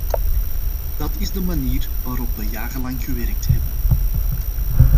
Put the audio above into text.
Dit is de manier waarop we jarenlang gewerkt hebben.